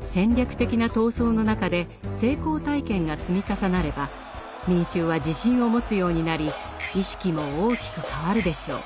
戦略的な闘争の中で成功体験が積み重なれば民衆は自信を持つようになり意識も大きく変わるでしょう。